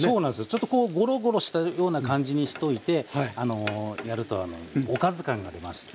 ちょっとこうゴロゴロしたような感じにしといてやるとおかず感が出ますね。